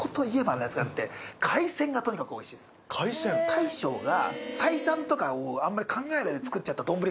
大将が。